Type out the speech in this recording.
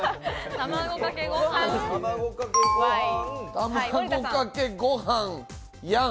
卵かけご飯やん。